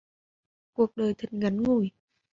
cuộc đời thật ngắn ngủi